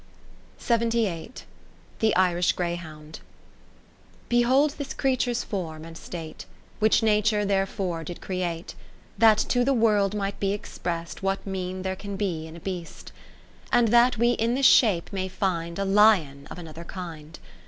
80 The Irish Greyhound Behold this creature's form and state, Which Nature therefore did create, That to the World might be exprest What mien there can be in a beast ; And that we in this shape may find A lion of another kind.